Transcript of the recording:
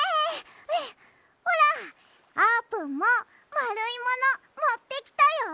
ふうほらあーぷんもまるいものもってきたよ！